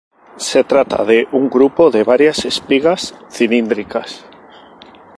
Se trata de un grupo de varias espigas cilíndricas.